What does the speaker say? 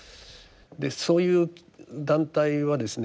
そういう団体はですね